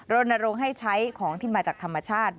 รณรงค์ให้ใช้ของที่มาจากธรรมชาติ